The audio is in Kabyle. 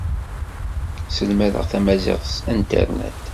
Sselmadeɣ tamaziɣt s Internet.